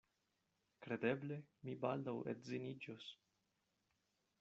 Kredeble mi baldaŭ edziniĝos.